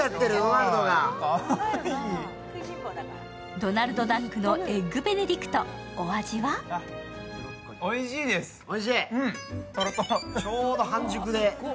ドナルドダックのエッグベネディクト、お味はちょうど半熟で。